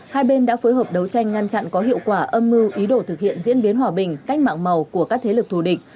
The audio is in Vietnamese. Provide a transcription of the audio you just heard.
hai bên đã phối hợp đấu tranh ngăn chặn có hiệu quả âm mưu ý đồ thực hiện diễn biến hòa bình cách mạng màu của các thế lực thù địch